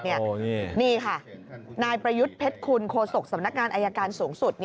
นี่ค่ะนายประยุทธ์เพชรคุณโฆษกสำนักงานอายการสูงสุด